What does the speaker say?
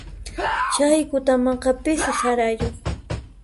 Chay kutamaqa pisi sarayuq.